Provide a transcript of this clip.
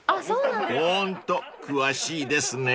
［ホント詳しいですね］